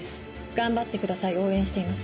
「頑張ってください応援しています」